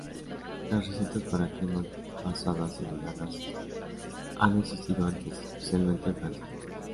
Las recetas para cremas basadas en heladas han existido antes, especialmente en Francia.